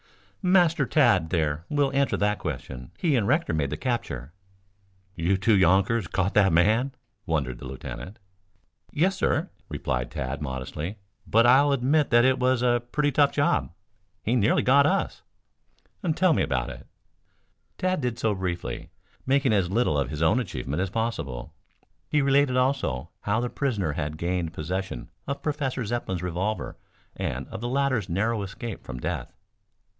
"Master Tad there will answer that question. He and Rector made the capture." "You two younkers caught that man?" wondered the lieutenant. "Yes, sir," replied Tad modestly. "But I'll admit that it was a pretty tough job. He nearly got us." "Tell me about it." Tad did so briefly, making as little of his own achievement as possible. He related also, how the prisoner had gained possession of Professor Zepplin's revolver and of the latter's narrow escape from death.